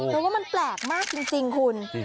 เพราะว่ามันแปลกมากจริงคุณ